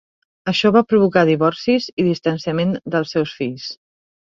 Això va provocar divorcis i distanciament dels seus fills.